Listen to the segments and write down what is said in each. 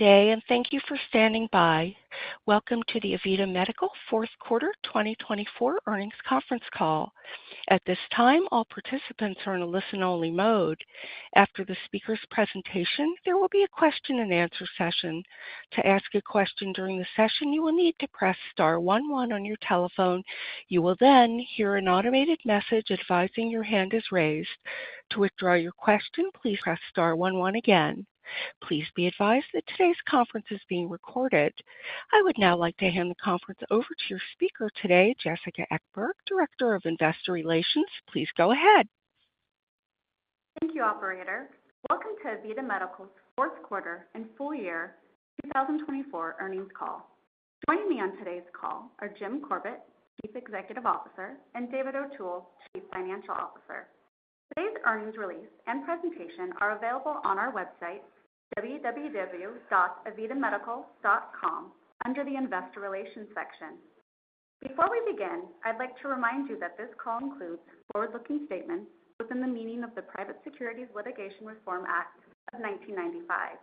Today, and thank you for standing by. Welcome to the AVITA Medical fourth quarter 2024 earnings conference call. At this time, all participants are in a listen-only mode. After the speaker's presentation, there will be a question-and-answer session. To ask a question during the session, you will need to press star one one on your telephone. You will then hear an automated message advising your hand is raised. To withdraw your question, please press star one one again. Please be advised that today's conference is being recorded. I would now like to hand the conference over to your speaker today, Jessica Ekberg, Director of Investor Relations. Please go ahead. Thank you, Operator. Welcome to AVITA Medical's fourth quarter and full year 2024 earnings call. Joining me on today's call are Jim Corbett, Chief Executive Officer, and David O'Toole, Chief Financial Officer. Today's earnings release and presentation are available on our website, www.avitamedical.com, under the Investor Relations section. Before we begin, I'd like to remind you that this call includes forward-looking statements within the meaning of the Private Securities Litigation Reform Act of 1995.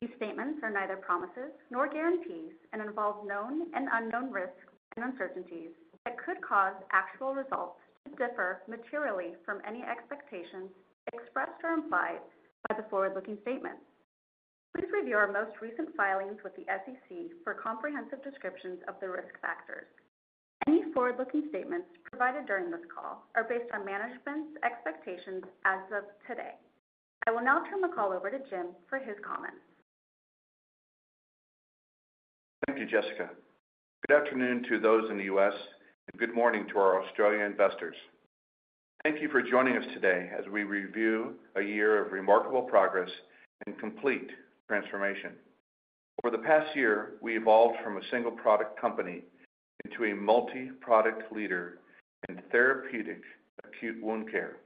These statements are neither promises nor guarantees and involve known and unknown risks and uncertainties that could cause actual results to differ materially from any expectations expressed or implied by the forward-looking statements. Please review our most recent filings with the SEC for comprehensive descriptions of the risk factors. Any forward-looking statements provided during this call are based on management's expectations as of today. I will now turn the call over to Jim for his comments. Thank you, Jessica. Good afternoon to those in the U.S. and good morning to our Australian investors. Thank you for joining us today as we review a year of remarkable progress and complete transformation. Over the past year, we evolved from a single-product company into a multi-product leader in therapeutic acute wound care.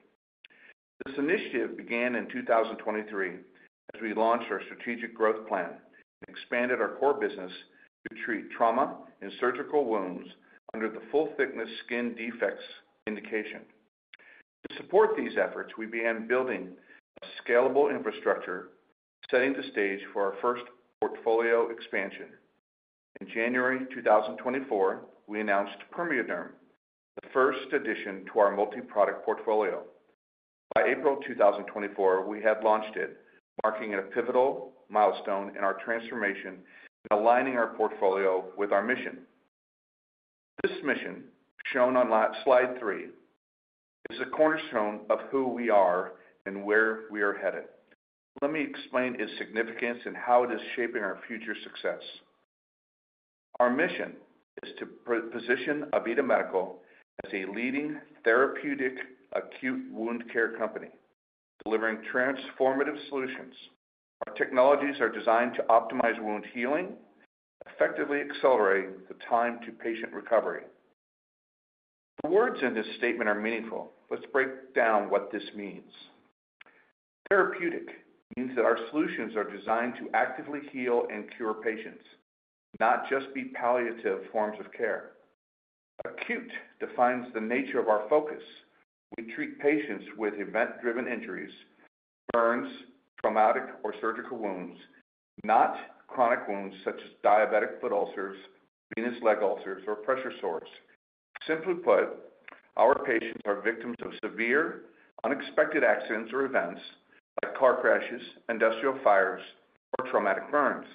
This initiative began in 2023 as we launched our strategic growth plan and expanded our core business to treat trauma and surgical wounds under the full-thickness skin defects indication. To support these efforts, we began building a scalable infrastructure, setting the stage for our first portfolio expansion. In January 2024, we announced PermeaDerm, the first addition to our multi-product portfolio. By April 2024, we had launched it, marking a pivotal milestone in our transformation and aligning our portfolio with our mission. This mission, shown on slide three, is a cornerstone of who we are and where we are headed. Let me explain its significance and how it is shaping our future success. Our mission is to position AVITA Medical as a leading therapeutic acute wound care company, delivering transformative solutions. Our technologies are designed to optimize wound healing, effectively accelerating the time to patient recovery. The words in this statement are meaningful. Let's break down what this means. Therapeutic means that our solutions are designed to actively heal and cure patients, not just be palliative forms of care. Acute defines the nature of our focus. We treat patients with event-driven injuries, burns, traumatic or surgical wounds, not chronic wounds such as diabetic foot ulcers, venous leg ulcers, or pressure sores. Simply put, our patients are victims of severe, unexpected accidents or events like car crashes, industrial fires, or traumatic burns.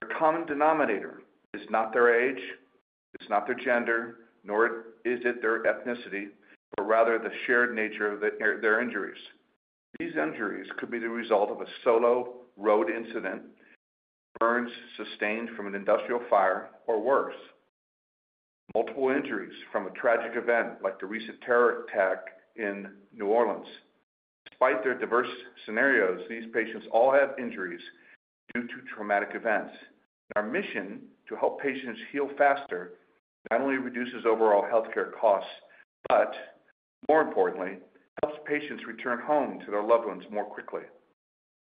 Their common denominator is not their age, it's not their gender, nor is it their ethnicity, but rather the shared nature of their injuries. These injuries could be the result of a solo road incident, burns sustained from an industrial fire, or worse, multiple injuries from a tragic event like the recent terror attack in New Orleans. Despite their diverse scenarios, these patients all have injuries due to traumatic events. Our mission to help patients heal faster not only reduces overall healthcare costs, but more importantly, helps patients return home to their loved ones more quickly.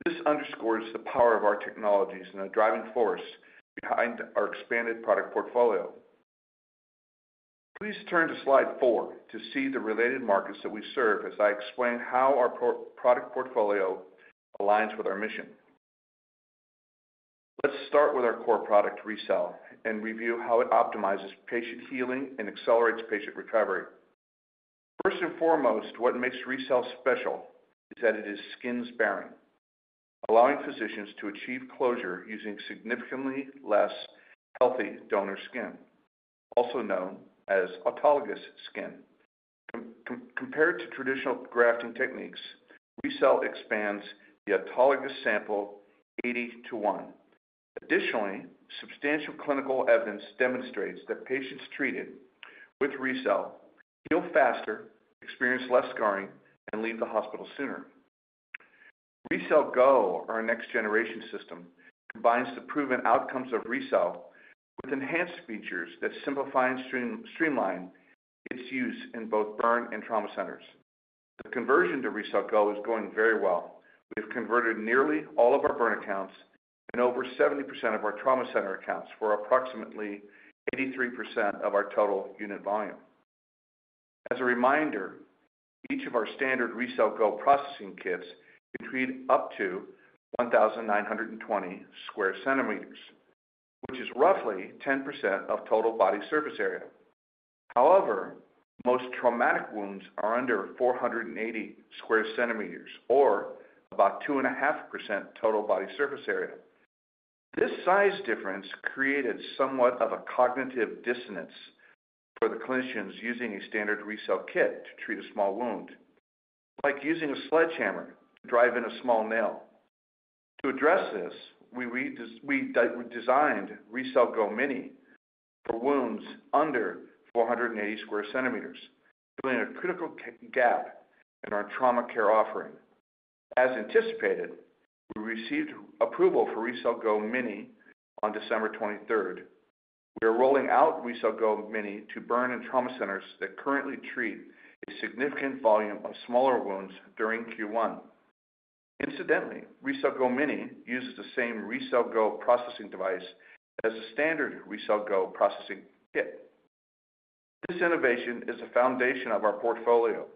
This underscores the power of our technologies and the driving force behind our expanded product portfolio. Please turn to slide four to see the related markets that we serve as I explain how our product portfolio aligns with our mission. Let's start with our core product, RECELL, and review how it optimizes patient healing and accelerates patient recovery. First and foremost, what makes RECELL special is that it is skin-sparing, allowing physicians to achieve closure using significantly less healthy donor skin, also known as autologous skin. Compared to traditional grafting techniques, RECELL expands the autologous sample 80 to 1. Additionally, substantial clinical evidence demonstrates that patients treated with RECELL heal faster, experience less scarring, and leave the hospital sooner. RECELL GO, our next-generation system, combines the proven outcomes of RECELL with enhanced features that simplify and streamline its use in both burn and trauma centers. The conversion to RECELL GO is going very well. We have converted nearly all of our burn accounts and over 70% of our trauma center accounts for approximately 83% of our total unit volume. As a reminder, each of our standard RECELL GO processing kits can treat up to 1,920 square centimeters, which is roughly 10% of total body surface area. However, most traumatic wounds are under 480 square centimeters, or about 2.5% total body surface area. This size difference created somewhat of a cognitive dissonance for the clinicians using a standard RECELL kit to treat a small wound, like using a sledgehammer to drive in a small nail. To address RECELL GO mini for wounds under 480 square centimeters, filling a critical gap in our trauma care offering. As anticipated, we received approval for RECELL GO mini on December 23rd. We RECELL GO mini to burn and trauma centers that currently treat a significant volume of smaller wounds during Q1. Incidentally, RECELL GO mini uses the same RECELL GO processing device as the standard RECELL GO processing kit. This innovation is the foundation of our portfolio,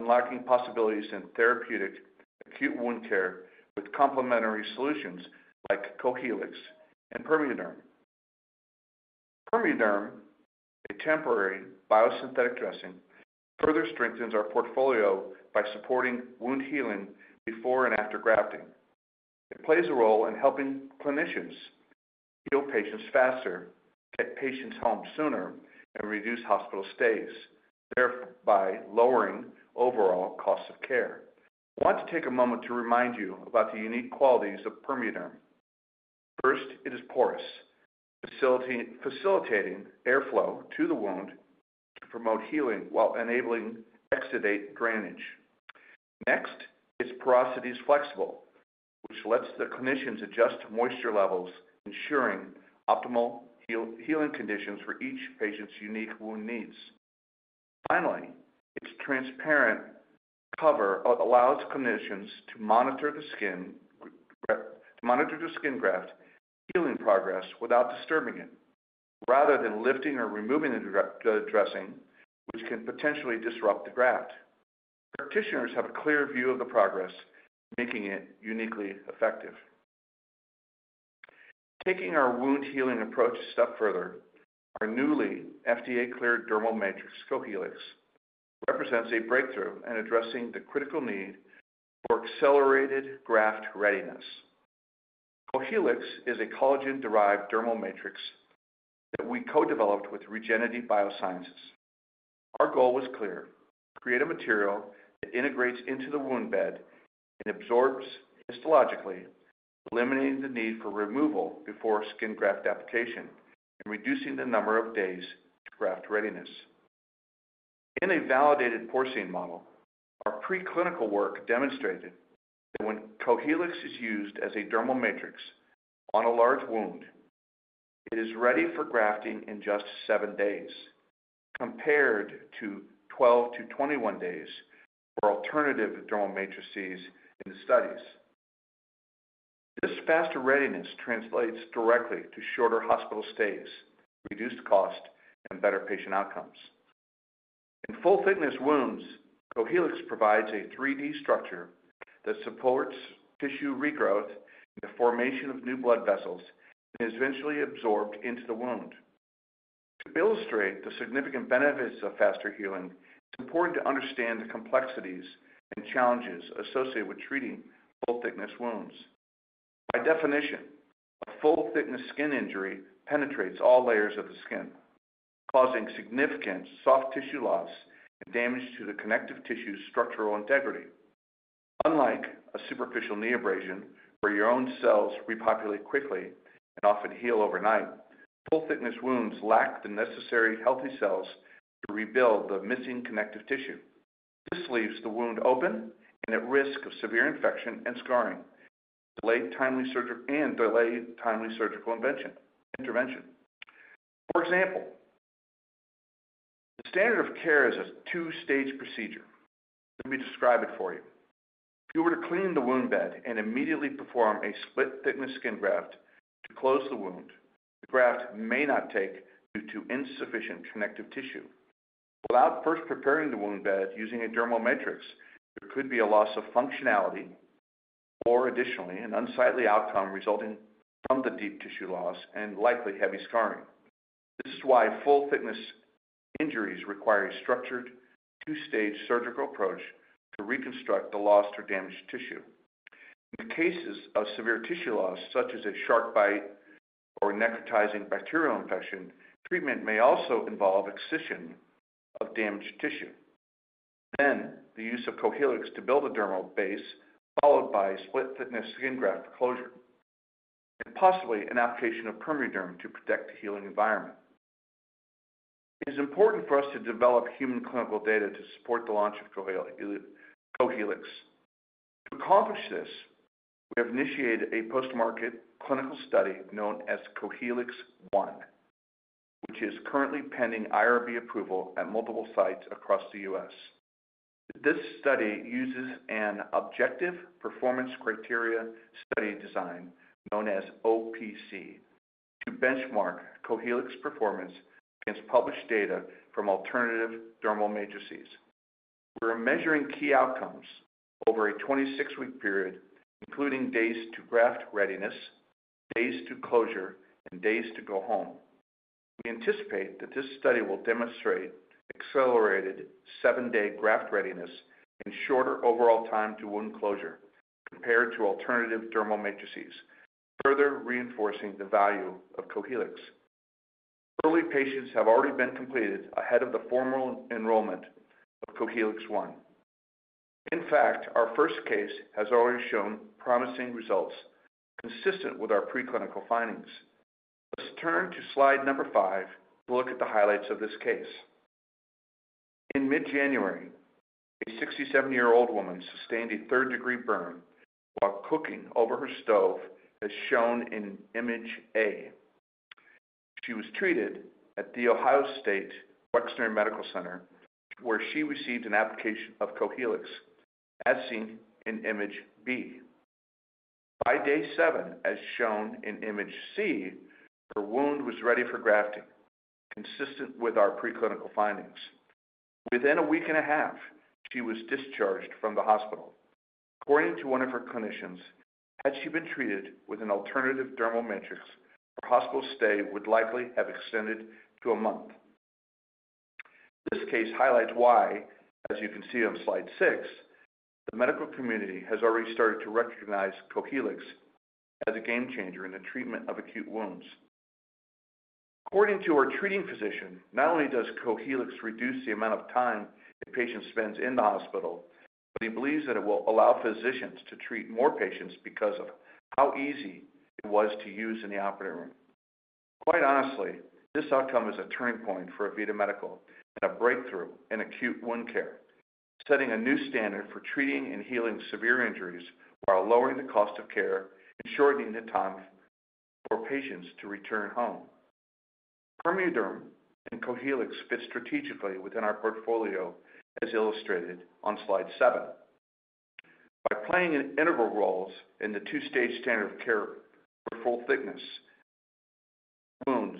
unlocking possibilities in therapeutic acute wound care with complementary solutions like Cohealyx and PermeaDerm. PermeaDerm, a temporary biosynthetic dressing, further strengthens our portfolio by supporting wound healing before and after grafting. It plays a role in helping clinicians heal patients faster, get patients home sooner, and reduce hospital stays, thereby lowering overall costs of care. I want to take a moment to remind you about the unique qualities of PermeaDerm. First, it is porous, facilitating airflow to the wound to promote healing while enabling exudate drainage. Next, its porosity is flexible, which lets the clinicians adjust moisture levels, ensuring optimal healing conditions for each patient's unique wound needs. Finally, its transparent cover allows clinicians to monitor the skin graft, healing progress without disturbing it, rather than lifting or removing the dressing, which can potentially disrupt the graft. Practitioners have a clear view of the progress, making it uniquely effective. Taking our wound healing approach a step further, our newly FDA-cleared dermal matrix Cohealyx represents a breakthrough in addressing the critical need for accelerated graft readiness. Cohealyx is a collagen-derived dermal matrix that we co-developed with Regenity Biosciences. Our goal was clear: create a material that integrates into the wound bed and absorbs histologically, eliminating the need for removal before skin graft application and reducing the number of days to graft readiness. In a validated porcine model, our preclinical work demonstrated that when Cohealyx is used as a dermal matrix on a large wound, it is ready for grafting in just seven days, compared to 12-21 days for alternative dermal matrices in the studies. This faster readiness translates directly to shorter hospital stays, reduced cost, and better patient outcomes. In full-thickness wounds, Cohealyx provides a 3D structure that supports tissue regrowth, the formation of new blood vessels, and is eventually absorbed into the wound. To illustrate the significant benefits of faster healing, it's important to understand the complexities and challenges associated with treating full-thickness wounds. By definition, a full-thickness skin injury penetrates all layers of the skin, causing significant soft tissue loss and damage to the connective tissue's structural integrity. Unlike a superficial knee abrasion, where your own cells repopulate quickly and often heal overnight, full-thickness wounds lack the necessary healthy cells to rebuild the missing connective tissue. This leaves the wound open and at risk of severe infection and scarring, delayed timely surgical intervention. For example, the standard of care is a two-stage procedure. Let me describe it for you. If you were to clean the wound bed and immediately perform a split-thickness skin graft to close the wound, the graft may not take due to insufficient connective tissue. Without first preparing the wound bed using a dermal matrix, there could be a loss of functionality or, additionally, an unsightly outcome resulting from the deep tissue loss and likely heavy scarring. This is why full-thickness injuries require a structured, two-stage surgical approach to reconstruct the lost or damaged tissue. In cases of severe tissue loss, such as a shark bite or necrotizing bacterial infection, treatment may also involve excision of damaged tissue, then the use of Cohealyx to build a dermal base, followed by split-thickness skin graft closure, and possibly an application of PermeaDerm to protect the healing environment. It is important for us to develop human clinical data to support the launch of Cohealyx. To accomplish this, we have initiated a post-market clinical study known as Cohealyx One, which is currently pending IRB approval at multiple sites across the U.S. This study uses an objective performance criteria study design known as OPC to benchmark Cohealyx performance against published data from alternative dermal matrices. We are measuring key outcomes over a 26-week period, including days to graft readiness, days to closure, and days to go home. We anticipate that this study will demonstrate accelerated seven-day graft readiness and shorter overall time to wound closure compared to alternative dermal matrices, further reinforcing the value of Cohealyx. Early patients have already been completed ahead of the formal enrollment of Cohealyx One. In fact, our first case has already shown promising results consistent with our preclinical findings. Let's turn to slide number five to look at the highlights of this case. In mid-January, a 67-year-old woman sustained a third-degree burn while cooking over her stove, as shown in image A. She was treated at the Ohio State Wexner Medical Center, where she received an application of Cohealyx, as seen in image B. By day seven, as shown in image C, her wound was ready for grafting, consistent with our preclinical findings. Within a week and a half, she was discharged from the hospital. According to one of her clinicians, had she been treated with an alternative dermal matrix, her hospital stay would likely have extended to a month. This case highlights why, as you can see on slide six, the medical community has already started to recognize Cohealyx as a game changer in the treatment of acute wounds. According to our treating physician, not only does Cohealyx reduce the amount of time a patient spends in the hospital, but he believes that it will allow physicians to treat more patients because of how easy it was to use in the operating room. Quite honestly, this outcome is a turning point for AVITA Medical and a breakthrough in acute wound care, setting a new standard for treating and healing severe injuries while lowering the cost of care and shortening the time for patients to return home. PermeaDerm and Cohealyx fit strategically within our portfolio, as illustrated on slide seven. By playing integral roles in the two-stage standard of care for full-thickness wounds,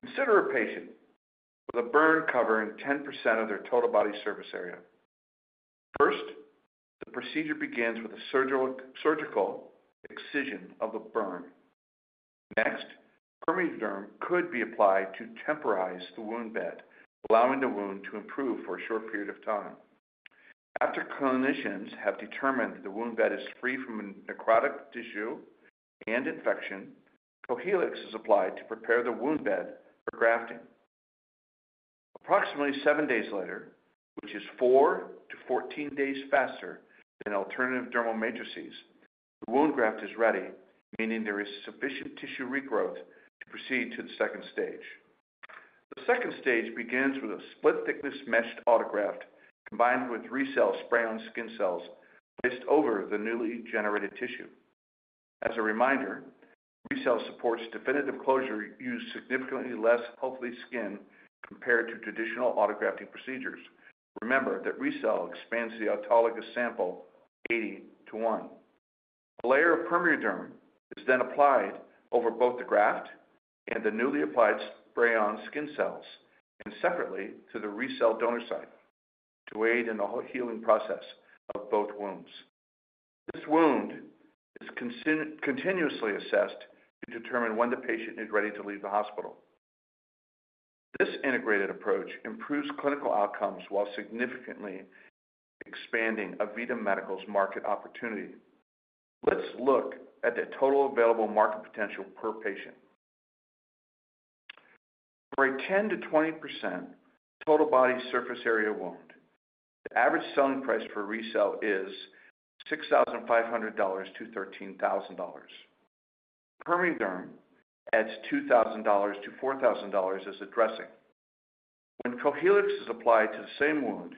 consider a patient with a burn covering 10% of their total body surface area. First, the procedure begins with a surgical excision of the burn. Next, PermeaDerm could be applied to temporize the wound bed, allowing the wound to improve for a short period of time. After clinicians have determined that the wound bed is free from necrotic tissue and infection, Cohealyx is applied to prepare the wound bed for grafting. Approximately seven days later, which is 4-14 days faster than alternative dermal matrices, the wound graft is ready, meaning there is sufficient tissue regrowth to proceed to the second stage. The second stage begins with a split-thickness meshed autograft combined with RECELL spray-on skin cells placed over the newly generated tissue. As a reminder, RECELL supports definitive closure, using significantly less healthy skin compared to traditional autografting procedures. Remember that RECELL expands the autologous sample 80 to 1. A layer of PermeaDerm is then applied over both the graft and the newly applied spray-on skin cells, and separately to the RECELL donor site to aid in the healing process of both wounds. This wound is continuously assessed to determine when the patient is ready to leave the hospital. This integrated approach improves clinical outcomes while significantly expanding AVITA Medical's market opportunity. Let's look at the total available market potential per patient. For a 10%-20% total body surface area wound, the average selling price for RECELL is $6,500-$13,000. PermeaDerm adds $2,000-$4,000 as a dressing. When Cohealyx is applied to the same wound,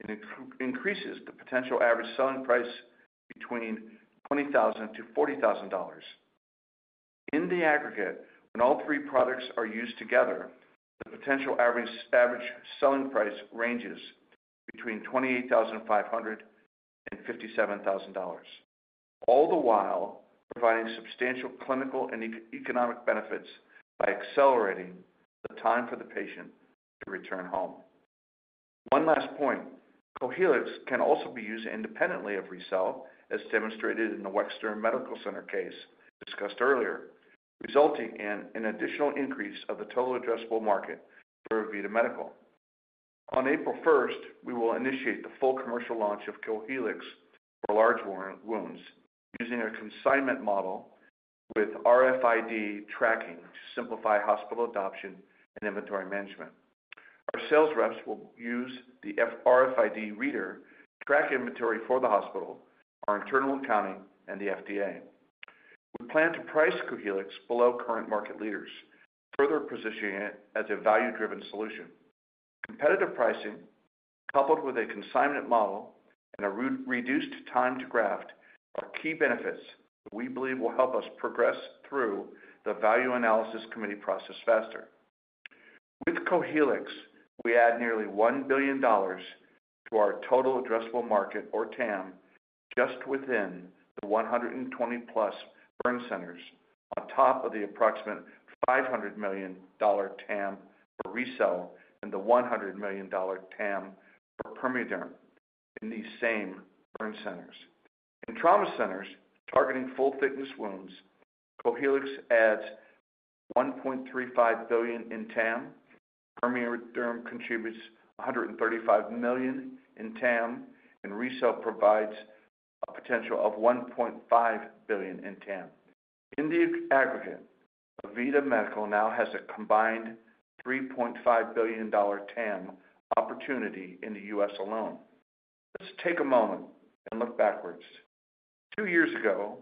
it increases the potential average selling price between $20,000-$40,000. In the aggregate, when all three products are used together, the potential average selling price ranges between $28,500-$57,000, all the while providing substantial clinical and economic benefits by accelerating the time for the patient to return home. One last point: Cohealyx can also be used independently of RECELL, as demonstrated in the Wexner Medical Center case discussed earlier, resulting in an additional increase of the total addressable market for AVITA Medical. On April 1st, we will initiate the full commercial launch of Cohealyx for large wounds using a consignment model with RFID tracking to simplify hospital adoption and inventory management. Our sales reps will use the RFID reader to track inventory for the hospital, our internal accounting, and the FDA. We plan to price Cohealyx below current market leaders, further positioning it as a value-driven solution. Competitive pricing, coupled with a consignment model and a reduced time to graft, are key benefits that we believe will help us progress through the value analysis committee process faster. With Cohealyx, we add nearly $1 billion to our total addressable market, or TAM, just within the 120-plus burn centers, on top of the approximate $500 million TAM for RECELL and the $100 million TAM for PermeaDerm in these same burn centers. In trauma centers targeting full-thickness wounds, Cohealyx adds $1.35 billion in TAM. PermeaDerm contributes $135 million in TAM, and RECELL provides a potential of $1.5 billion in TAM. In the aggregate, AVITA Medical now has a combined $3.5 billion TAM opportunity in the U.S. alone. Let's take a moment and look backwards. Two years ago,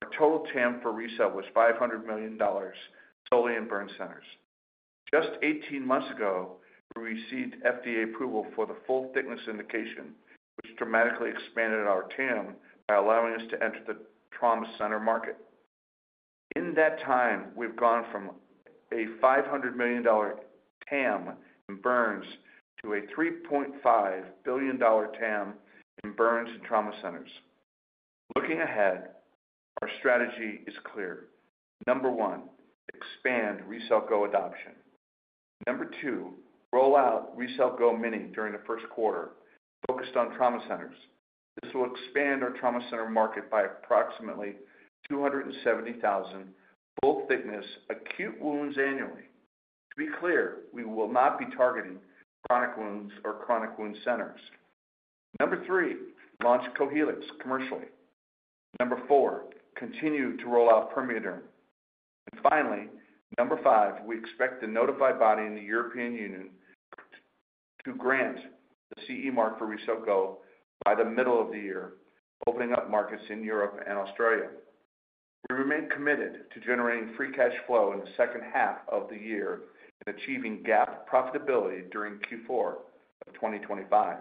our total TAM for RECELL was $500 million solely in burn centers. Just 18 months ago, we received FDA approval for the full-thickness indication, which dramatically expanded our TAM by allowing us to enter the trauma center market. In that time, we've gone from a $500 million TAM in burns to a $3.5 billion TAM in burns and trauma centers. Looking ahead, our strategy is clear. Number one, expand RECELL GO adoption. Number two, roll out RECELL GO mini during the first quarter, focused on trauma centers. This will expand our trauma center market by approximately 270,000 full-thickness acute wounds annually. To be clear, we will not be targeting chronic wounds or chronic wound centers. Number three, launch Cohealyx commercially. Number four, continue to roll out PermeaDerm. Finally, number five, we expect the notified body in the European Union to grant the CE mark for RECELL GO by the middle of the year, opening up markets in Europe and Australia. We remain committed to generating free cash flow in the second half of the year and achieving GAAP profitability during Q4 of 2025.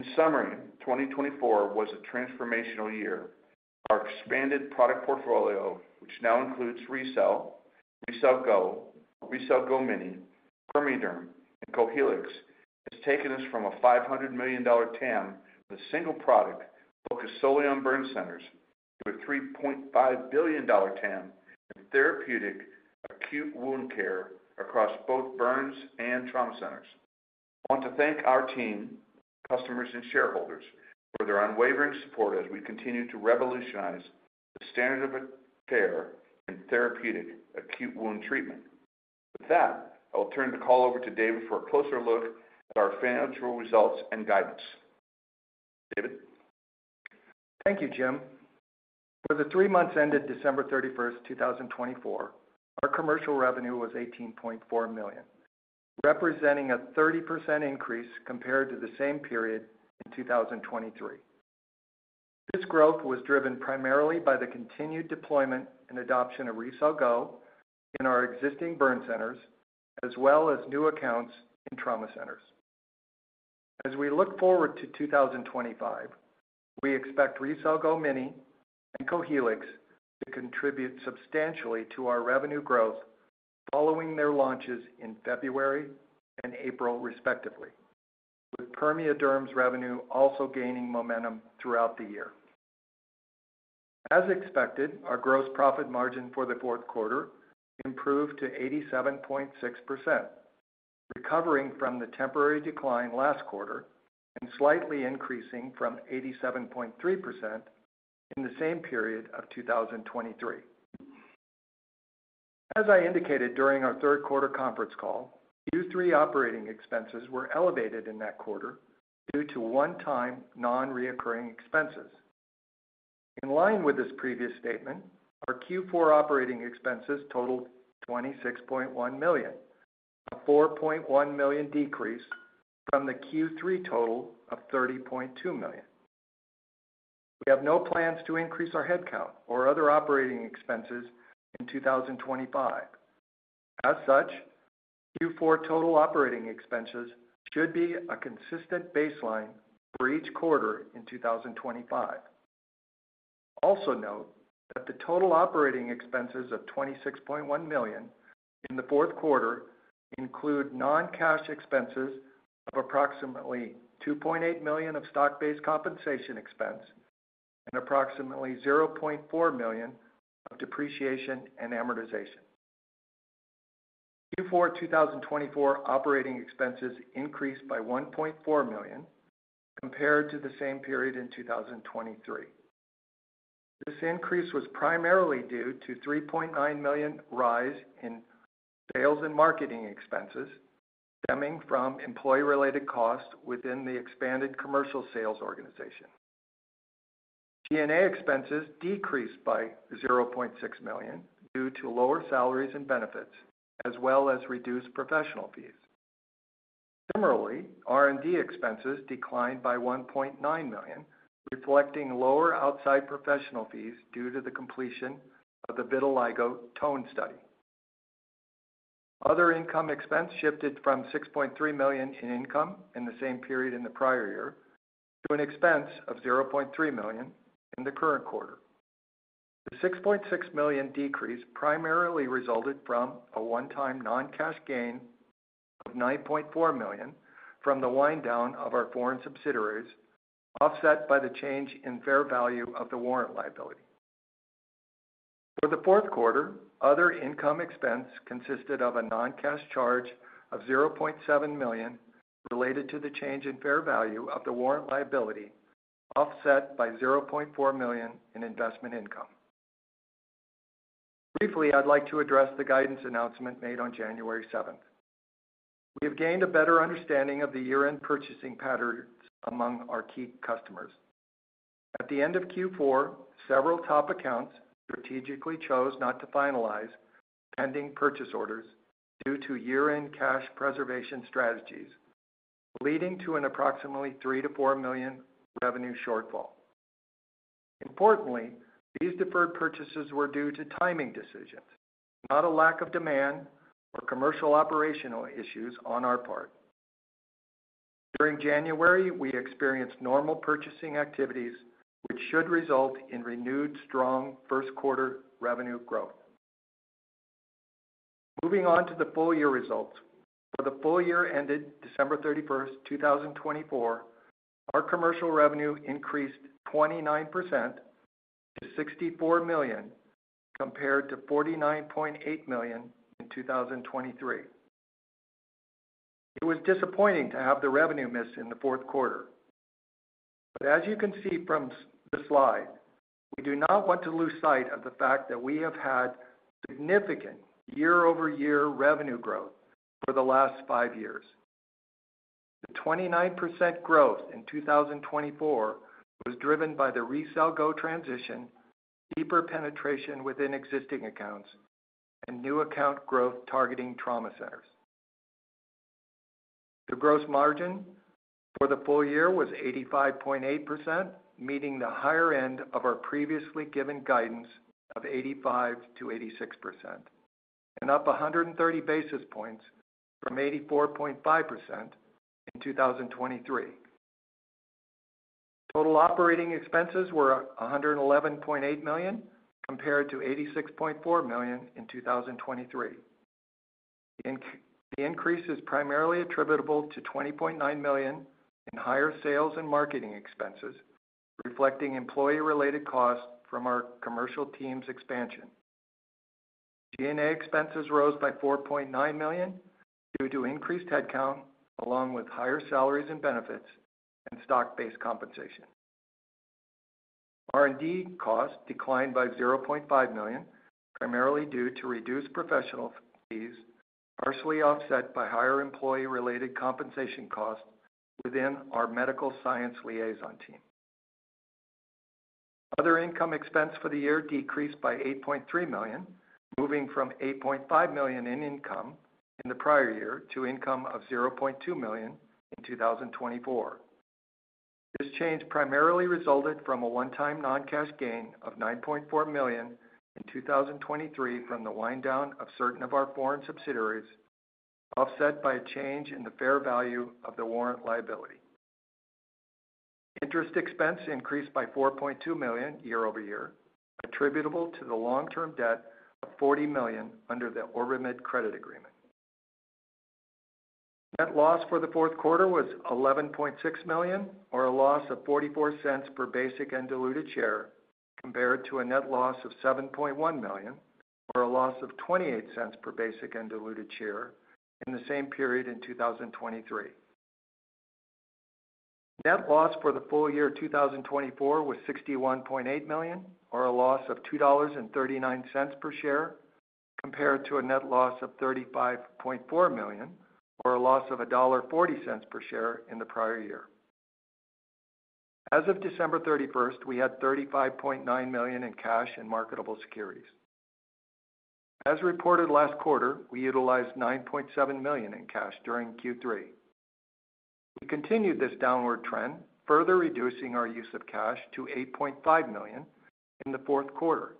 In summary, 2024 was a transformational year. Our expanded product portfolio, which now includes RECELL, RECELL GO, RECELL GO mini, PermeaDerm, and Cohealyx, has taken us from a $500 million TAM with a single product focused solely on burn centers to a $3.5 billion TAM in therapeutic acute wound care across both burns and trauma centers. I want to thank our team, customers, and shareholders for their unwavering support as we continue to revolutionize the standard of care in therapeutic acute wound treatment. With that, I will turn the call over to David for a closer look at our financial results and guidance. David? Thank you, Jim. For the three months ended December 31, 2024, our commercial revenue was $18.4 million, representing a 30% increase compared to the same period in 2023. This growth was driven primarily by the continued deployment and adoption of RECELL GO in our existing burn centers, as well as new accounts in trauma centers. As we look forward to 2025, we expect RECELL GO mini and Cohealyx to contribute substantially to our revenue growth following their launches in February and April, respectively, with PermeaDerm's revenue also gaining momentum throughout the year. As expected, our gross profit margin for the fourth quarter improved to 87.6%, recovering from the temporary decline last quarter and slightly increasing from 87.3% in the same period of 2023. As I indicated during our third quarter conference call, Q3 operating expenses were elevated in that quarter due to one-time non-reoccurring expenses. In line with this previous statement, our Q4 operating expenses totaled $26.1 million, a $4.1 million decrease from the Q3 total of $30.2 million. We have no plans to increase our headcount or other operating expenses in 2025. As such, Q4 total operating expenses should be a consistent baseline for each quarter in 2025. Also note that the total operating expenses of $26.1 million in the fourth quarter include non-cash expenses of approximately $2.8 million of stock-based compensation expense and approximately $0.4 million of depreciation and amortization. Q4 2024 operating expenses increased by $1.4 million compared to the same period in 2023. This increase was primarily due to a $3.9 million rise in sales and marketing expenses stemming from employee-related costs within the expanded commercial sales organization. P&A expenses decreased by $0.6 million due to lower salaries and benefits, as well as reduced professional fees. Similarly, R&D expenses declined by $1.9 million, reflecting lower outside professional fees due to the completion of the Vitiligo tone study. Other income expense shifted from $6.3 million in income in the same period in the prior year to an expense of $0.3 million in the current quarter. The $6.6 million decrease primarily resulted from a one-time non-cash gain of $9.4 million from the wind-down of our foreign subsidiaries, offset by the change in fair value of the warrant liability. For the fourth quarter, other income expense consisted of a non-cash charge of $0.7 million related to the change in fair value of the warrant liability, offset by $0.4 million in investment income. Briefly, I'd like to address the guidance announcement made on January 7th. We have gained a better understanding of the year-end purchasing patterns among our key customers. At the end of Q4, several top accounts strategically chose not to finalize pending purchase orders due to year-end cash preservation strategies, leading to an approximately $3 million-$4 million revenue shortfall. Importantly, these deferred purchases were due to timing decisions, not a lack of demand or commercial operational issues on our part. During January, we experienced normal purchasing activities, which should result in renewed strong first-quarter revenue growth. Moving on to the full-year results, for the full year ended December 31, 2024, our commercial revenue increased 29% to $64 million compared to $49.8 million in 2023. It was disappointing to have the revenue miss in the fourth quarter. As you can see from the slide, we do not want to lose sight of the fact that we have had significant year-over-year revenue growth for the last five years. The 29% growth in 2024 was driven by the RECELL GO transition, deeper penetration within existing accounts, and new account growth targeting trauma centers. The gross margin for the full year was 85.8%, meeting the higher end of our previously given guidance of 85-86%, and up 130 basis points from 84.5% in 2023. Total operating expenses were $111.8 million compared to $86.4 million in 2023. The increase is primarily attributable to $20.9 million in higher sales and marketing expenses, reflecting employee-related costs from our commercial team's expansion. P&A expenses rose by $4.9 million due to increased headcount, along with higher salaries and benefits and stock-based compensation. R&D costs declined by $0.5 million, primarily due to reduced professional fees, partially offset by higher employee-related compensation costs within our medical science liaison team. Other income expense for the year decreased by $8.3 million, moving from $8.5 million in income in the prior year to an income of $0.2 million in 2024. This change primarily resulted from a one-time non-cash gain of $9.4 million in 2023 from the wind-down of certain of our foreign subsidiaries, offset by a change in the fair value of the warrant liability. Interest expense increased by $4.2 million year-over-year, attributable to the long-term debt of $40 million under the OrbiMed credit agreement. Net loss for the fourth quarter was $11.6 million, or a loss of $0.44 per basic and diluted share, compared to a net loss of $7.1 million, or a loss of $0.28 per basic and diluted share in the same period in 2023. Net loss for the full year 2024 was $61.8 million, or a loss of $2.39 per share, compared to a net loss of $35.4 million, or a loss of $1.40 per share in the prior year. As of December 31, we had $35.9 million in cash and marketable securities. As reported last quarter, we utilized $9.7 million in cash during Q3. We continued this downward trend, further reducing our use of cash to $8.5 million in the fourth quarter.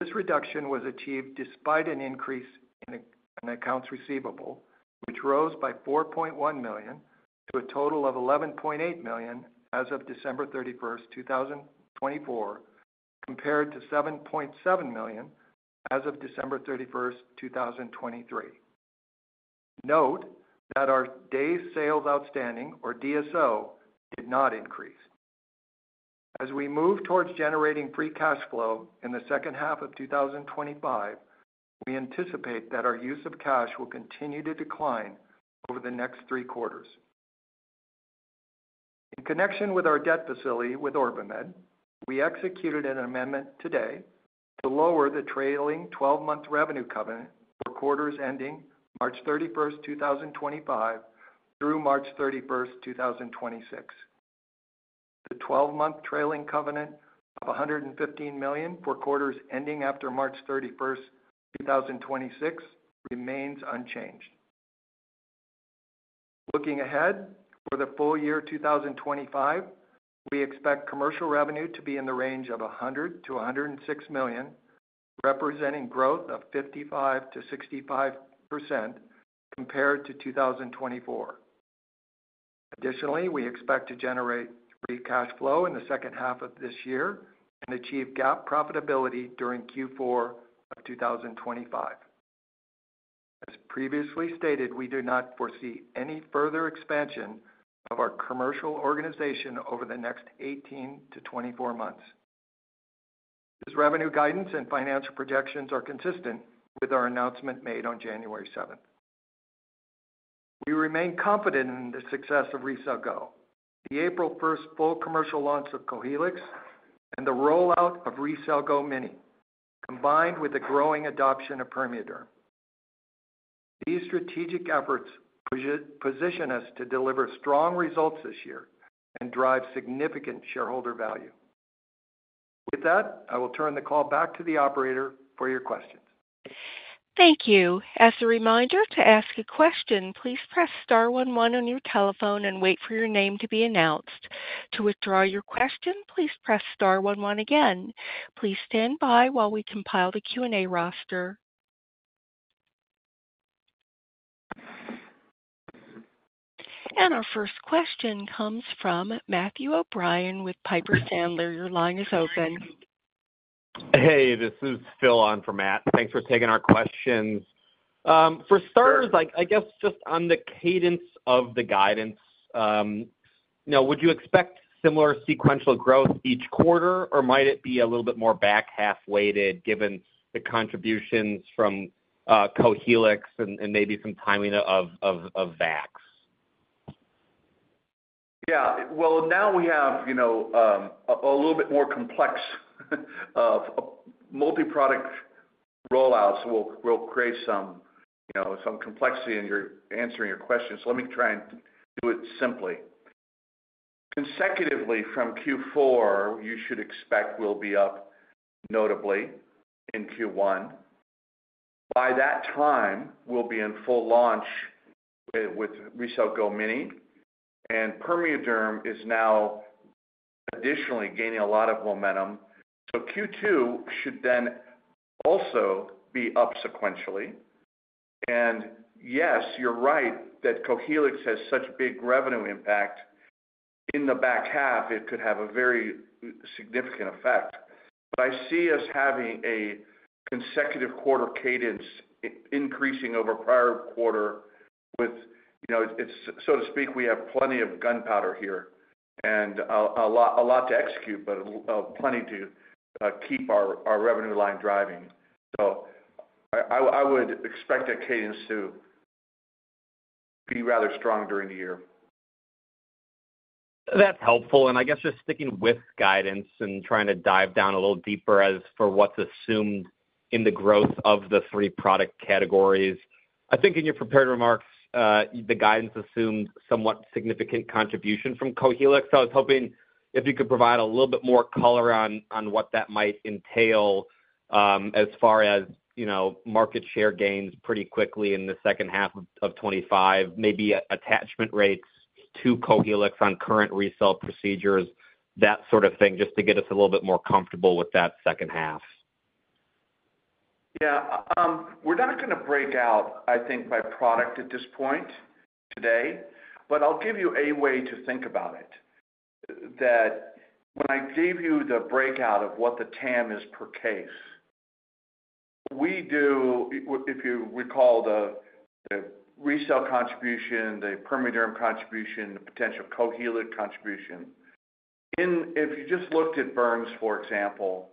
This reduction was achieved despite an increase in accounts receivable, which rose by $4.1 million to a total of $11.8 million as of December 31, 2024, compared to $7.7 million as of December 31, 2023. Note that our day sales outstanding, or DSO, did not increase. As we move towards generating free cash flow in the second half of 2025, we anticipate that our use of cash will continue to decline over the next three quarters. In connection with our debt facility with OrbiMed, we executed an amendment today to lower the trailing 12-month revenue covenant for quarters ending March 31, 2025, through March 31, 2026. The 12-month trailing covenant of $115 million for quarters ending after March 31, 2026, remains unchanged. Looking ahead for the full year 2025, we expect commercial revenue to be in the range of $100 million-$106 million, representing growth of 55%-65% compared to 2024. Additionally, we expect to generate free cash flow in the second half of this year and achieve GAAP profitability during Q4 of 2025. As previously stated, we do not foresee any further expansion of our commercial organization over the next 18-24 months. This revenue guidance and financial projections are consistent with our announcement made on January 7th. We remain confident in the success of RECELL GO, the April 1st full commercial launch of Cohealyx, and the rollout of RECELL GO mini, combined with the growing adoption of PermeaDerm. These strategic efforts position us to deliver strong results this year and drive significant shareholder value. With that, I will turn the call back to the operator for your questions. Thank you. As a reminder, to ask a question, please press star one one on your telephone and wait for your name to be announced. To withdraw your question, please press star one one again. Please stand by while we compile the Q&A roster. Our first question comes from Matthew O'Brien with Piper Sandler. Your line is open. Hey, this is Phil on for Matt. Thanks for taking our questions. For starters, I guess just on the cadence of the guidance, would you expect similar sequential growth each quarter, or might it be a little bit more back half-weighted given the contributions from Cohealyx and maybe some timing of VATC? Yeah. Now we have a little bit more complex multi-product rollouts, so it will create some complexity in answering your questions. Let me try and do it simply. Consecutively from Q4, you should expect we will be up notably in Q1. By that time, we'll be in full launch with RECELL GO mini, and PermeaDerm is now additionally gaining a lot of momentum. Q2 should then also be up sequentially. Yes, you're right that Cohealyx has such big revenue impact in the back half, it could have a very significant effect. I see us having a consecutive quarter cadence increasing over prior quarter with, so to speak, we have plenty of gunpowder here and a lot to execute, but plenty to keep our revenue line driving. I would expect that cadence to be rather strong during the year. That's helpful. I guess just sticking with guidance and trying to dive down a little deeper as for what's assumed in the growth of the three product categories. I think in your prepared remarks, the guidance assumed somewhat significant contribution from Cohealyx. I was hoping if you could provide a little bit more color on what that might entail as far as market share gains pretty quickly in the second half of 2025, maybe attachment rates to Cohealyx on current RECELL procedures, that sort of thing, just to get us a little bit more comfortable with that second half. Yeah. We're not going to break out, I think, by product at this point today, but I'll give you a way to think about it. That when I gave you the breakout of what the TAM is per case, we do, if you recall, the RECELL contribution, the PermeaDerm contribution, the potential Cohealyx contribution. If you just looked at burns, for example,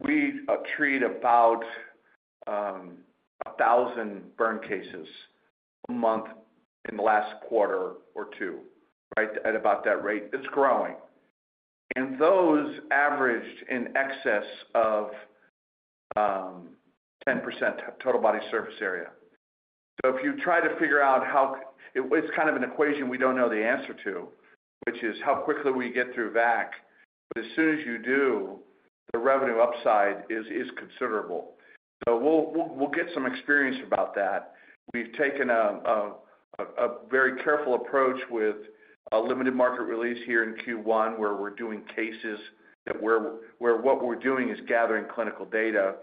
we treat about 1,000 burn cases a month in the last quarter or two, right, at about that rate. It's growing. Those averaged in excess of 10% total body surface area. If you try to figure out how, it's kind of an equation we don't know the answer to, which is how quickly we get through VATC, but as soon as you do, the revenue upside is considerable. We'll get some experience about that. We've taken a very careful approach with a limited market release here in Q1 where we're doing cases that, where what we're doing is gathering clinical data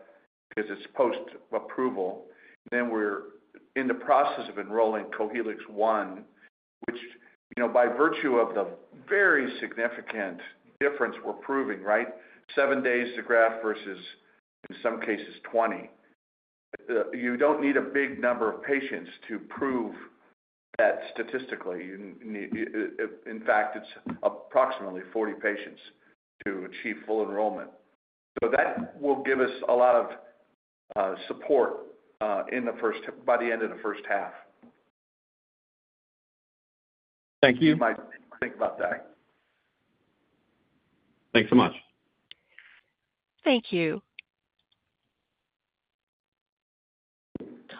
because it's post-approval. We are in the process of enrolling Cohealyx One, which by virtue of the very significant difference we're proving, right, seven days to graft versus, in some cases, 20. You don't need a big number of patients to prove that statistically. In fact, it's approximately 40 patients to achieve full enrollment. That will give us a lot of support by the end of the first half. Thank you. You might think about that. Thanks so much. Thank you.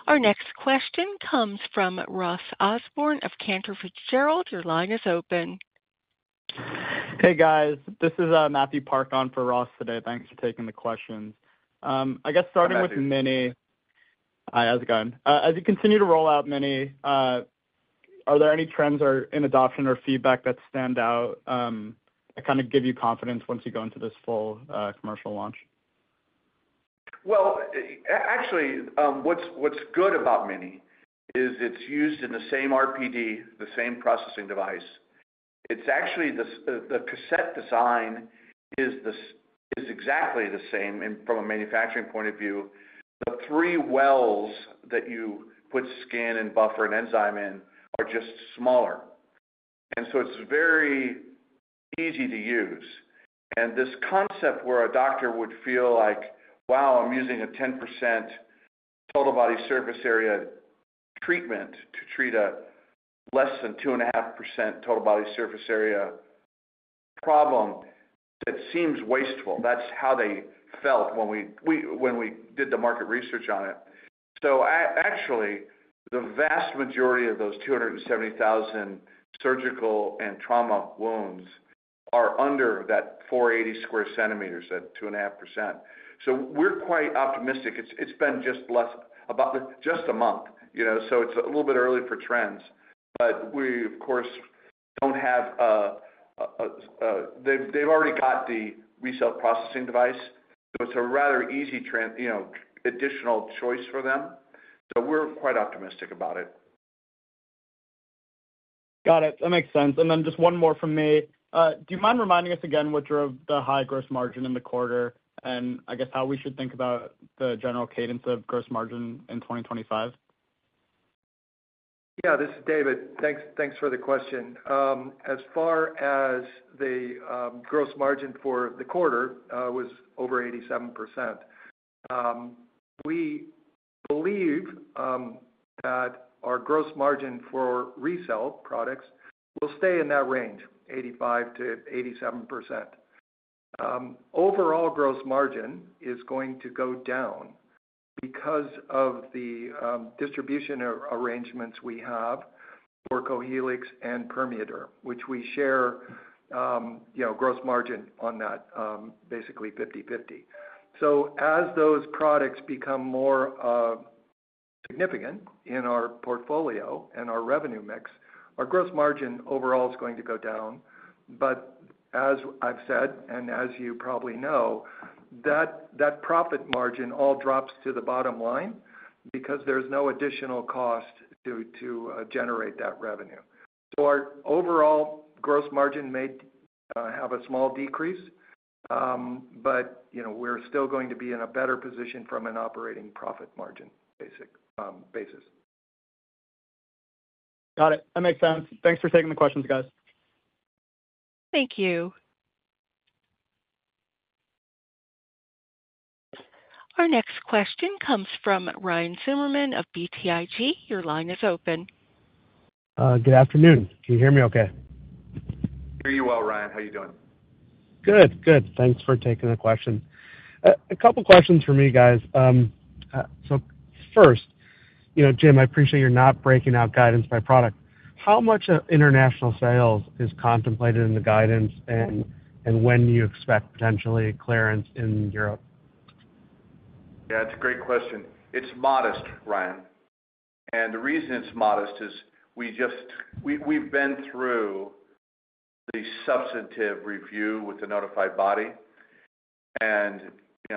Our next question comes from Ross Osborn of Cantor Fitzgerald. Your line is open. Hey, guys. This is Matthew Park on for Ross today. Thanks for taking the questions. I guess starting with mini. Hi, how's it going? As you continue to roll out mini, are there any trends in adoption or feedback that stand out that kind of give you confidence once you go into this full commercial launch? Actually, what's good about mini is it's used in the same RPD, the same processing device. The cassette design is exactly the same from a manufacturing point of view. The three wells that you put skin and buffer and enzyme in are just smaller. It is very easy to use. This concept where a doctor would feel like, "Wow, I'm using a 10% total body surface area treatment to treat a less than 2.5% total body surface area problem," that seems wasteful. That is how they felt when we did the market research on it. Actually, the vast majority of those 270,000 surgical and trauma wounds are under that 480 sq cm, that 2.5%. We are quite optimistic. It has been just less than a month, so it is a little bit early for trends. We, of course, do not have a—they have already got the RECELL processing device, so it is a rather easy additional choice for them. We are quite optimistic about it. Got it. That makes sense. Just one more from me. Do you mind reminding us again what your high gross margin in the quarter and I guess how we should think about the general cadence of gross margin in 2025? Yeah. This is David. Thanks for the question. As far as the gross margin for the quarter, it was over 87%. We believe that our gross margin for RECELL products will stay in that range, 85%-87%. Overall gross margin is going to go down because of the distribution arrangements we have for Cohealyx and PermeaDerm, which we share gross margin on that, basically 50/50. As those products become more significant in our portfolio and our revenue mix, our gross margin overall is going to go down. As I've said, and as you probably know, that profit margin all drops to the bottom line because there's no additional cost to generate that revenue. Our overall gross margin may have a small decrease, but we're still going to be in a better position from an operating profit margin basis. Got it. That makes sense. Thanks for taking the questions, guys. Thank you. Our next question comes from Ryan Simmerman of BTIG. Your line is open. Good afternoon. Can you hear me okay? Hear you well, Ryan. How are you doing? Good. Good. Thanks for taking the question. A couple of questions for me, guys. First, Jim, I appreciate you're not breaking out guidance by product. How much international sales is contemplated in the guidance, and when do you expect potentially clearance in Europe? Yeah. It's a great question. It's modest, Ryan. The reason it's modest is we've been through the substantive review with the notified body. As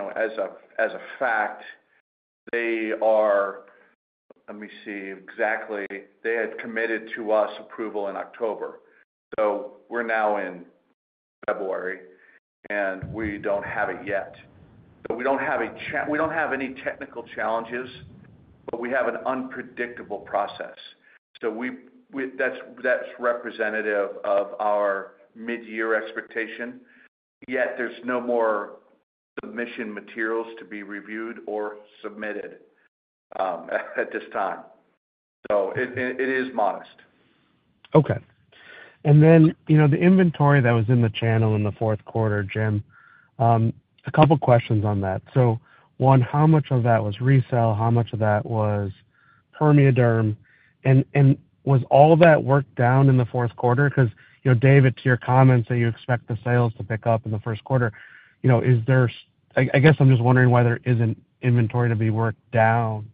a fact, they are let me see exactly. They had committed to U.S. approval in October. We are now in February, and we do not have it yet. We do not have any technical challenges, but we have an unpredictable process. That is representative of our mid-year expectation. There are no more submission materials to be reviewed or submitted at this time. It is modest. Okay. The inventory that was in the channel in the fourth quarter, Jim, a couple of questions on that. One, how much of that was RECELL? How much of that was PermeaDerm? Was all that worked down in the fourth quarter? Because, David, to your comments that you expect the sales to pick up in the first quarter, is there, I guess, I'm just wondering why there isn't inventory to be worked down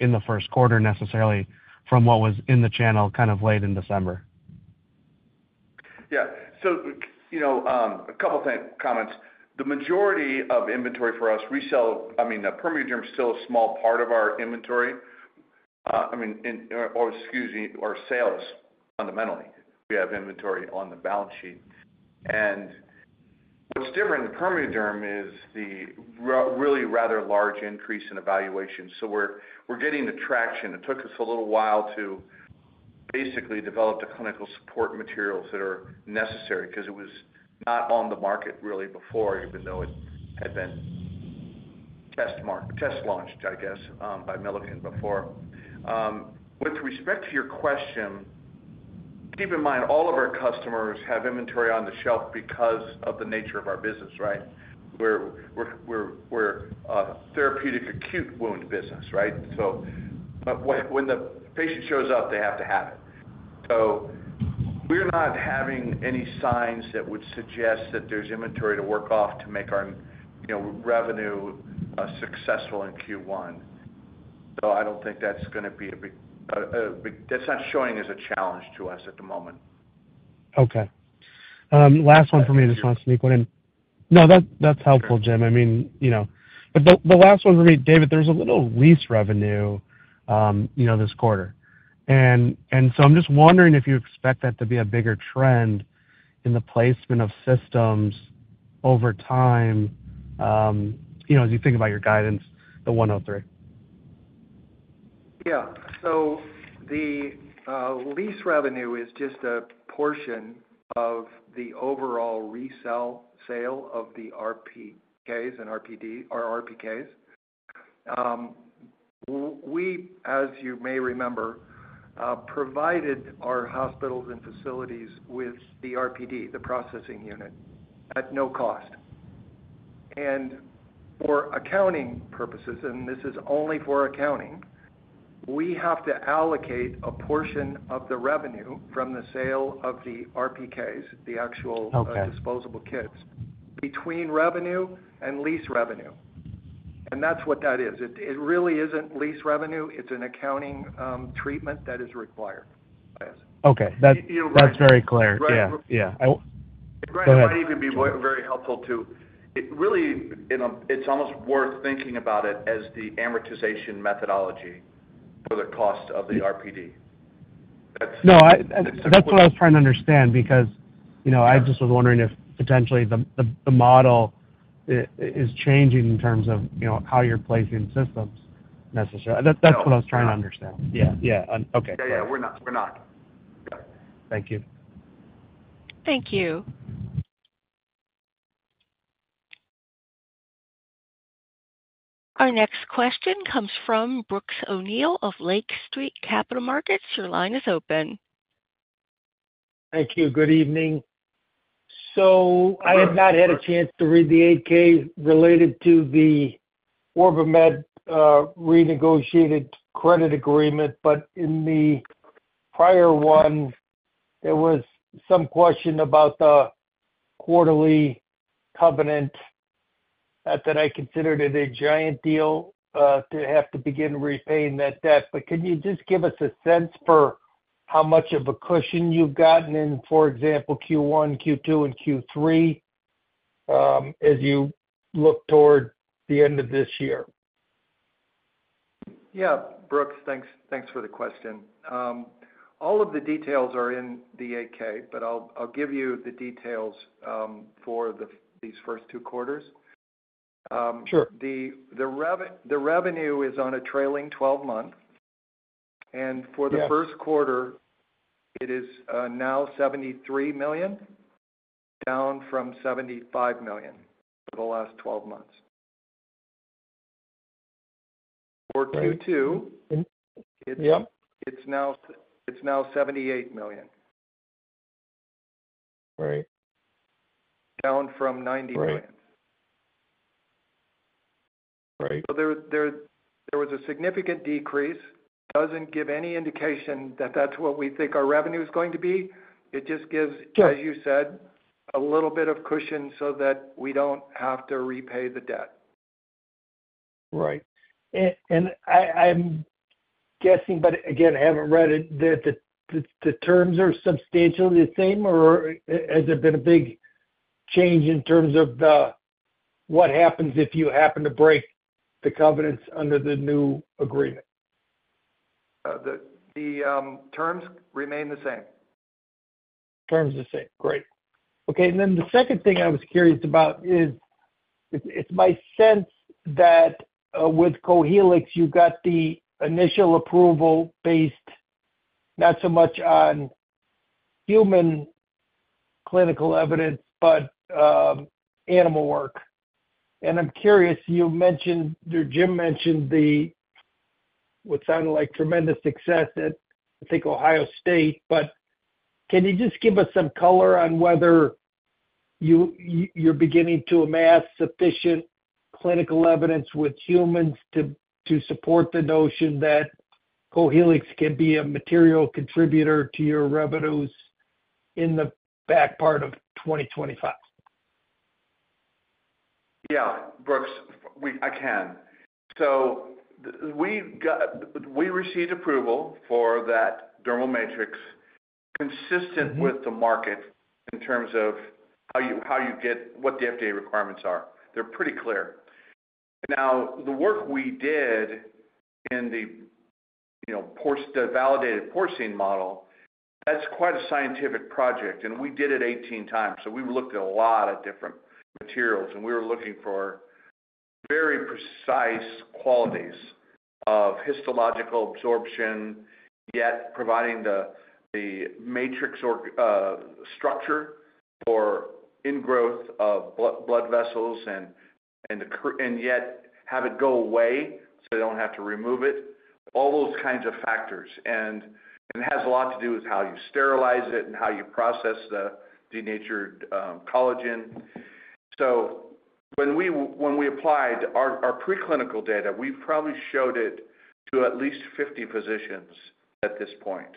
in the first quarter necessarily from what was in the channel kind of late in December. Yeah. A couple of comments. The majority of inventory for us, RECELL, I mean, PermeaDerm is still a small part of our inventory. I mean, or excuse me, our sales fundamentally. We have inventory on the balance sheet. What's different in PermeaDerm is the really rather large increase in evaluation. We're getting the traction. It took us a little while to basically develop the clinical support materials that are necessary because it was not on the market really before, even though it had been test launched, I guess, by Milliken before. With respect to your question, keep in mind all of our customers have inventory on the shelf because of the nature of our business, right? We're a therapeutic acute wound business, right? When the patient shows up, they have to have it. We're not having any signs that would suggest that there's inventory to work off to make our revenue successful in Q1. I don't think that's going to be a that's not showing as a challenge to us at the moment. Okay. Last one for me. I just wanted to sneak one in. No, that's helpful, Jim. I mean, the last one for me, David, there was a little lease revenue this quarter. I'm just wondering if you expect that to be a bigger trend in the placement of systems over time as you think about your guidance, the 103. Yeah. The lease revenue is just a portion of the overall resale sale of the RPKs and RPD or RPKs. We, as you may remember, provided our hospitals and facilities with the RPD, the processing unit, at no cost. For accounting purposes, and this is only for accounting, we have to allocate a portion of the revenue from the sale of the RPKs, the actual disposable kits, between revenue and lease revenue. That is what that is. It really is not lease revenue. It is an accounting treatment that is required by us. Okay. That is very clear. Yeah. Yeah. It might even be very helpful to really, it is almost worth thinking about it as the amortization methodology for the cost of the RPD. That is what I was trying to understand because I just was wondering if potentially the model is changing in terms of how you are placing systems necessarily. That's what I was trying to understand. Yeah. Yeah. Okay. Yeah. Yeah. We're not. Yeah. Thank you. Thank you. Our next question comes from Brooks O'Neil of Lake Street Capital Markets. Your line is open. Thank you. Good evening. I have not had a chance to read the 8-K related to the OrbiMed renegotiated credit agreement, but in the prior one, there was some question about the quarterly covenant that I considered a giant deal to have to begin repaying that debt. Can you just give us a sense for how much of a cushion you've gotten in, for example, Q1, Q2, and Q3 as you look toward the end of this year? Yeah. Brooks, thanks for the question. All of the details are in the 8-K, but I'll give you the details for these first two quarters. The revenue is on a trailing 12 months. For the first quarter, it is now $73 million, down from $75 million for the last 12 months. For Q2, it's now $78 million, down from $90 million. There was a significant decrease. It does not give any indication that that's what we think our revenue is going to be. It just gives, as you said, a little bit of cushion so that we do not have to repay the debt. Right. I am guessing, but again, I have not read it, that the terms are substantially the same, or has there been a big change in terms of what happens if you happen to break the covenants under the new agreement? The terms remain the same. Terms the same. Great. Okay. The second thing I was curious about is it's my sense that with Cohealyx, you got the initial approval based not so much on human clinical evidence, but animal work. I'm curious, Jim mentioned what sounded like tremendous success at, I think, Ohio State, but can you just give us some color on whether you're beginning to amass sufficient clinical evidence with humans to support the notion that Cohealyx can be a material contributor to your revenues in the back part of 2025? Yeah. Brooks, I can. We received approval for that dermal matrix consistent with the market in terms of how you get what the FDA requirements are. They're pretty clear. The work we did in the validated porcine model, that's quite a scientific project. We did it 18 times. We looked at a lot of different materials. We were looking for very precise qualities of histological absorption, yet providing the matrix structure for ingrowth of blood vessels, and yet have it go away so they do not have to remove it. All those kinds of factors. It has a lot to do with how you sterilize it and how you process the denatured collagen. When we applied our preclinical data, we have probably showed it to at least 50 physicians at this point.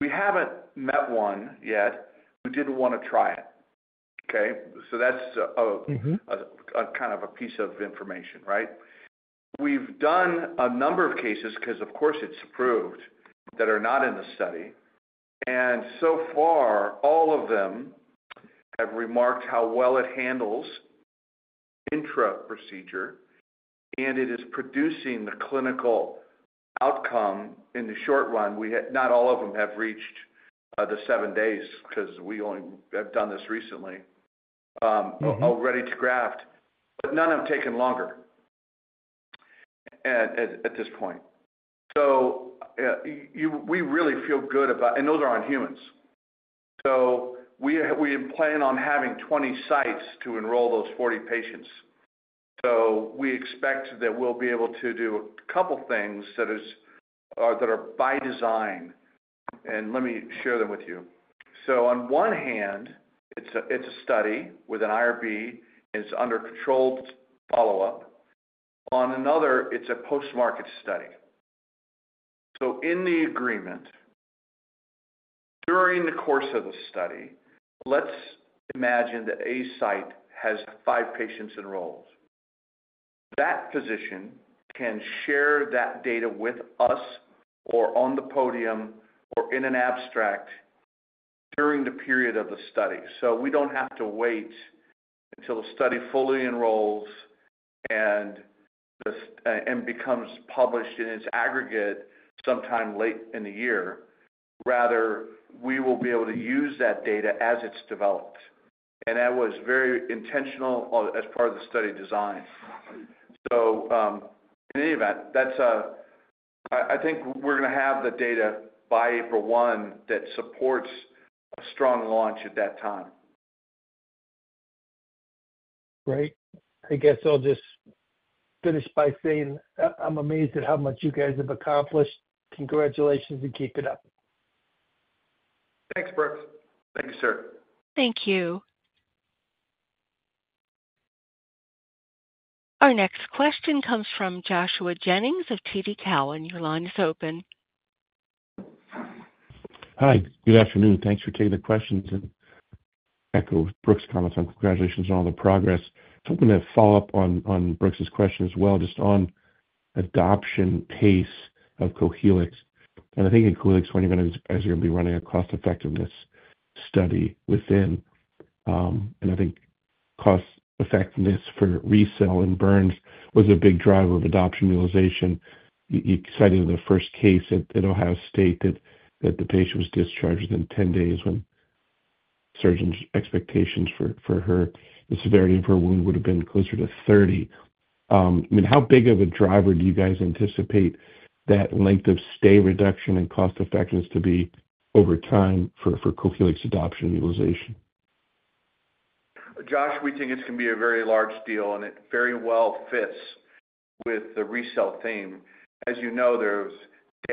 We have not met one yet who did not want to try it. Okay? That is kind of a piece of information, right? We have done a number of cases because, of course, it is approved that are not in the study. So far, all of them have remarked how well it handles intra procedure, and it is producing the clinical outcome in the short run. Not all of them have reached the seven days because we only have done this recently or ready to graft, but none have taken longer at this point. We really feel good about and those are on humans. We plan on having 20 sites to enroll those 40 patients. We expect that we'll be able to do a couple of things that are by design. Let me share them with you. On one hand, it's a study with an IRB, and it's under controlled follow-up. On another, it's a post-market study. In the agreement, during the course of the study, let's imagine that a site has five patients enrolled. That physician can share that data with us or on the podium or in an abstract during the period of the study. We do not have to wait until the study fully enrolls and becomes published in its aggregate sometime late in the year. Rather, we will be able to use that data as it is developed. That was very intentional as part of the study design. In any event, I think we are going to have the data by April 1 that supports a strong launch at that time. Great. I guess I will just finish by saying I am amazed at how much you guys have accomplished. Congratulations and keep it up. Thanks, Brooks. Thank you, sir. Thank you. Our next question comes from Joshua Jennings of TD Cowen. Your line is open. Hi. Good afternoon. Thanks for taking the questions. I echo Brooks' comments on congratulations on all the progress. I am hoping to follow up on Brooks' question as well, just on adoption pace of Cohealyx. I think in Cohealyx, as you're going to be running a cost-effectiveness study within, and I think cost-effectiveness for RECELL in burns was a big driver of adoption utilization. You cited the first case at Ohio State that the patient was discharged within 10 days when surgeon's expectations for the severity of her wound would have been closer to 30. I mean, how big of a driver do you guys anticipate that length of stay reduction and cost-effectiveness to be over time for Cohealyx adoption and utilization? Josh, we think it's going to be a very large deal, and it very well fits with the RECELL theme. As you know, there's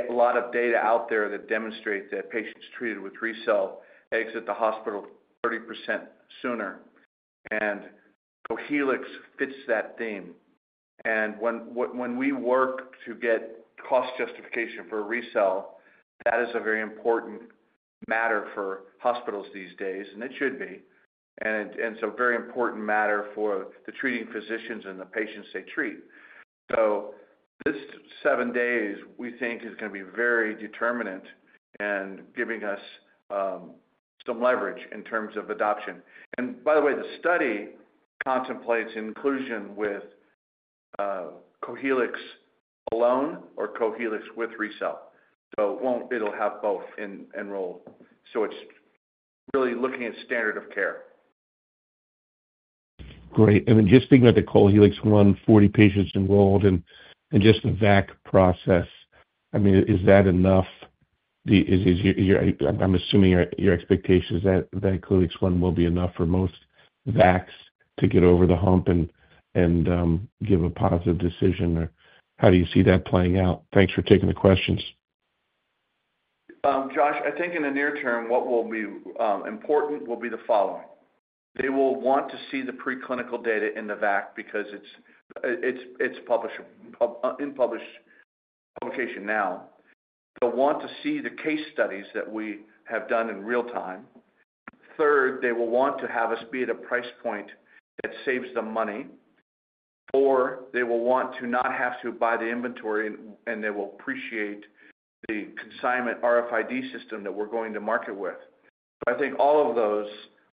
a lot of data out there that demonstrates that patients treated with RECELL exit the hospital 30% sooner. And Cohealyx fits that theme. When we work to get cost justification for RECELL, that is a very important matter for hospitals these days, and it should be. It is a very important matter for the treating physicians and the patients they treat. This seven days, we think, is going to be very determinant and giving us some leverage in terms of adoption. By the way, the study contemplates inclusion with Cohealyx alone or Cohealyx with RECELL, so it will have both and enroll. It is really looking at standard of care. Great. Just thinking about the Cohealyx one, 40 patients enrolled and just the VATC process, I mean, is that enough? I am assuming your expectation is that Cohealyx one will be enough for most VATCs to get over the hump and give a positive decision. How do you see that playing out? Thanks for taking the questions. Josh, I think in the near term, what will be important will be the following. They will want to see the preclinical data in the VAC because it's in publication now. They'll want to see the case studies that we have done in real time. Third, they will want to have us be at a price point that saves them money. Four, they will want to not have to buy the inventory, and they will appreciate the consignment RFID system that we're going to market with. I think all of those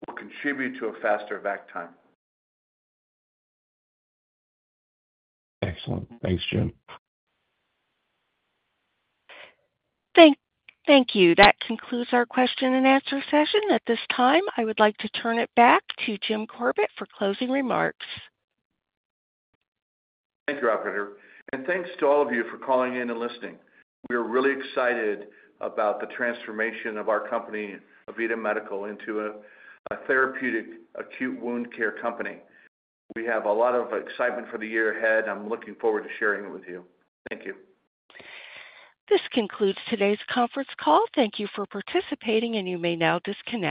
will contribute to a faster VAC time. Excellent. Thanks, Jim. Thank you. That concludes our question and answer session. At this time, I would like to turn it back to Jim Corbett for closing remarks. Thank you, Operator. And thanks to all of you for calling in and listening. We are really excited about the transformation of our company, AVITA Medical, into a therapeutic acute wound care company. We have a lot of excitement for the year ahead. I'm looking forward to sharing it with you. Thank you. This concludes today's conference call. Thank you for participating, and you may now disconnect.